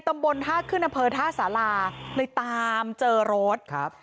ตำบลท่าขึ้นอำเภอท่าสาราเลยตามเจอรถครับ